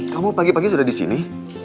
kamu pagi pagi sudah disini